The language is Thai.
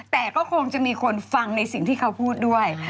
แต่ก็คงจะมีคนฟังในสิ่งที่เขาพูดด้วย